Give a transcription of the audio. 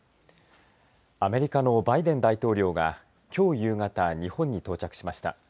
アメリカのバイデン大統領がきょう夕方日本に到着しました。